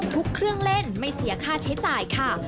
เครื่องเล่นไม่เสียค่าใช้จ่ายค่ะ